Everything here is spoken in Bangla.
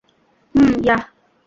হুম, ইয়াহ।